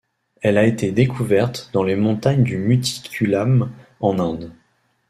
Elle a été découverte dans les montagnes du Muthikulam, en Inde.